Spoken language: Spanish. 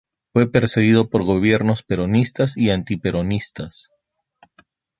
Fue perseguido por gobiernos peronistas y antiperonistas.